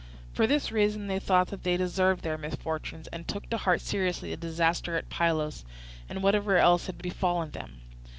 For this reason they thought that they deserved their misfortunes, and took to heart seriously the disaster at Pylos and whatever else had befallen them.